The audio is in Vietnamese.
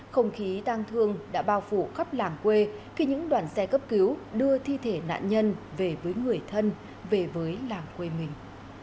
không khí đang thương đã bao phủ khắp làng quê khi những đoàn xe cấp cứu đưa thi thể nạn nhân về với người thân về với làng quê mình